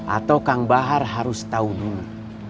atau kang bahar harus tahu dulu